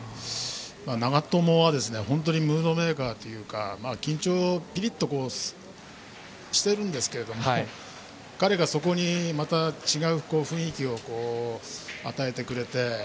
長友は本当にムードメーカーというか緊張ピリッとしているんですけど彼がそこにまた違う雰囲気を与えてくれて。